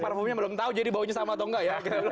parfumnya belum tahu jadi baunya sama atau enggak ya